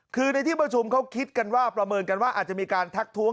คือในที่ประชุมเขาคิดกันว่าประเมินกันว่าอาจจะมีการทักท้วง